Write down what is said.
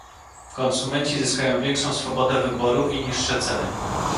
Konsumenci zyskają większą swobodę wyboru i niższe ceny